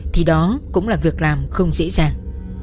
thì đó cũng là việc làm không dễ dàng